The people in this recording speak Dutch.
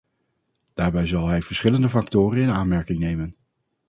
Daarbij zal hij verschillende factoren in aanmerking nemen.